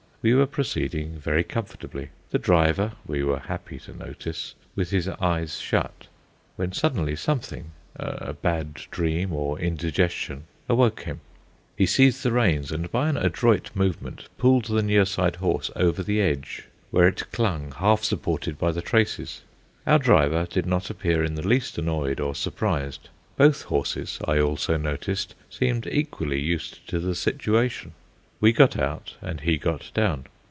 We were proceeding very comfortably, the driver, we were happy to notice, with his eyes shut, when suddenly something, a bad dream or indigestion, awoke him. He seized the reins, and, by an adroit movement, pulled the near side horse over the edge, where it clung, half supported by the traces. Our driver did not appear in the least annoyed or surprised; both horses, I also, noticed, seemed equally used to the situation. We got out, and he got down.